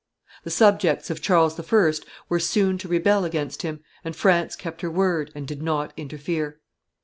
] The subjects of Charles I. were soon to rebel against him: and France kept her word and did not interfere.